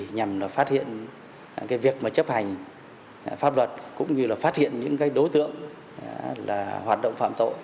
nhằm phát hiện việc chấp hành pháp luật cũng như là phát hiện những đối tượng hoạt động phạm tội